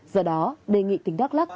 do đó đề nghị tỉnh đắk lắc